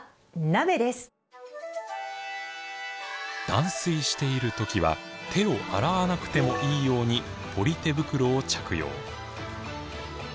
断水している時は手を洗わなくてもいいようにポリ手袋を着用。